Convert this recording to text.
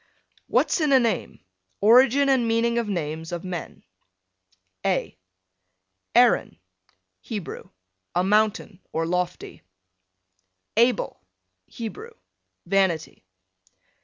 WHAT'S IN A NAME? ORIGIN AND MEANING OF NAMES OF MEN. A Aaron, Hebrew, a mountain, or lofty. Abel, Hebrew, vanity.